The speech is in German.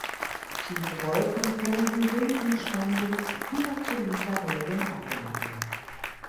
Tiefe Wolken können in wenigen Stunden hunderte Liter Regen abladen.